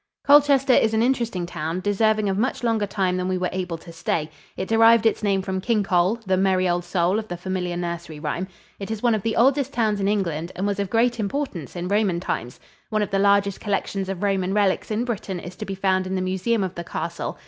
Colchester is an interesting town, deserving of much longer time than we were able to stay. It derived its name from King Cole, the "merry old soul" of the familiar nursery rhyme. It is one of the oldest towns in England and was of great importance in Roman times. One of the largest collections of Roman relics in Britain is to be found in the museum of the castle.